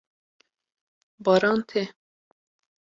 Baran tê.